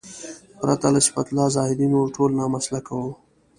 پرته له صفت الله زاهدي نور ټول نامسلکه وو.